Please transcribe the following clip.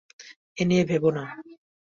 এ নিয়ে ভেবো না।